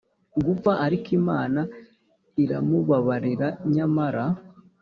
Gupfa ariko imana iramubabarira nyamara